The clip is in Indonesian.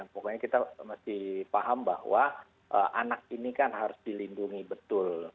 pokoknya kita masih paham bahwa anak ini kan harus dilindungi betul